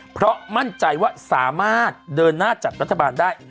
เพราะมั่นใจว่าสามารถเดินหน้าจัดรัฐบาลได้